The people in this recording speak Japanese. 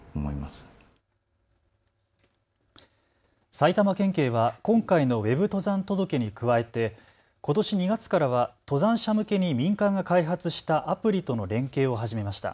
埼玉県警は今回のＷＥＢ登山届に加えてことし２月からは登山者向けに民間が開発したアプリとの連携を始めました。